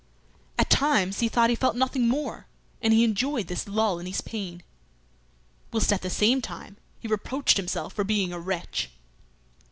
At times he thought he felt nothing more, and he enjoyed this lull in his pain, whilst at the same time he reproached himself for being a wretch.